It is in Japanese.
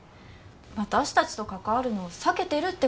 私たちと関わるのを避けてるって感じでしたよ。